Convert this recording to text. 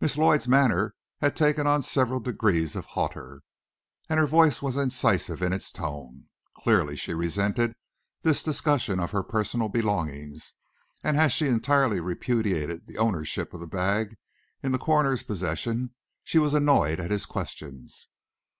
Miss Lloyd's manner had taken on several degrees of hauteur, and her voice was incisive in its tone. Clearly she resented this discussion of her personal belongings, and as she entirely repudiated the ownership of the bag in the coroner's possession, she was annoyed at his questions.